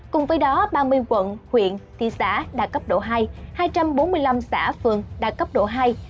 cùng với đó ba mươi quận huyện thị xã đạt cấp độ hai hai trăm bốn mươi năm xã phường đạt cấp độ hai